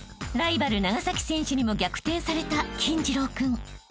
［ライバル長崎選手にも逆転された金次郎君］